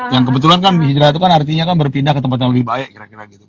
yang kebetulan kan hijrah itu kan artinya kan berpindah ke tempat yang lebih baik kira kira gitu